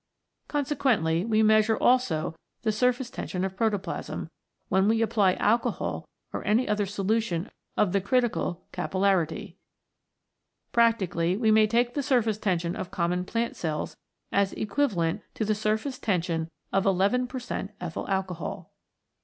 Consequently w r e measure also the surface tension of protoplasm, when we apply alcohol or any other solution of the critical capillarity. Practically we may take the surface tension of common plant cells as equivalent to the surface tension of n % ethyl alcohol.